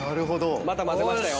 また混ぜましたよ。